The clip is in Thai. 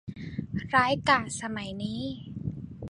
ร้ายกาจสมัยนี้